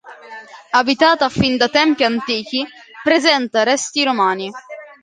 Abitata fin da tempi antichi, presenta resti romani.